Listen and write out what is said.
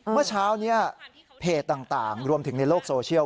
เมื่อเช้านี้เพจต่างรวมถึงในโลกโซเชียล